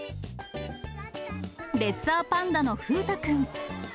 レッサーパンダの風太くん。